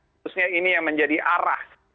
khususnya ini yang menjadi arah